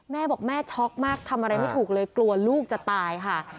แม่บอกแม่ช็อกมากทำอะไรไม่ถูกเลยกลัวลูกจะตายค่ะ